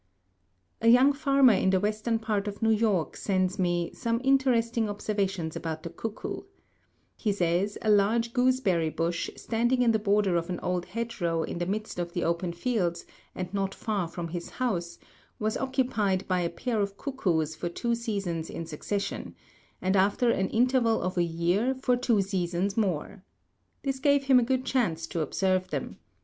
A young farmer in the western part of New York sends me ... some interesting observations about the cuckoo. He says a large gooseberry bush, standing in the border of an old hedge row in the midst of the open fields, and not far from his house, was occupied by a pair of cuckoos for two seasons in succession; and after an interval of a year, for two seasons more. This gave him a good chance to observe them.